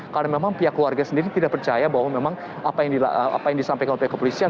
karena memang pihak keluarga sendiri tidak percaya bahwa memang apa yang disampaikan oleh pihak kepolisian